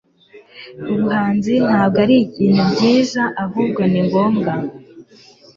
Ubuhanzi ntabwo ari ibintu byiza, ahubwo ni ngombwa.